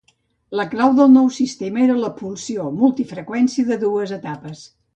La clau del nou sistema era la pulsació multi-freqüència de dues etapes.